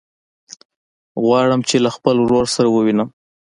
غواړم چې له خپل ورور سره ووينم.